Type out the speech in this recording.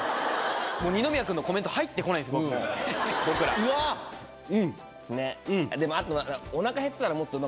もう、二宮君のコメント、入ってこないです、僕、もう。